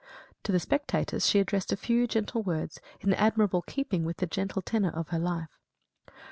To the spectators she addressed a few gentle words, in admirable keeping with the gentle tenor of her life.